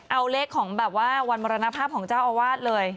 เอาเลขของแบบว่าวันมรณภาพของเจ้าอาวาสเลย